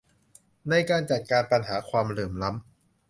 ในการจัดการปัญหาความเหลื่อมล้ำ